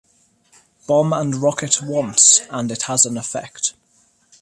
Bomb and rocket once, and it has an effect.